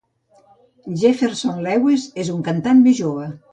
Jefferson Lewis és un cantant més jove.